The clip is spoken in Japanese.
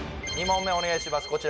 ２問目お願いします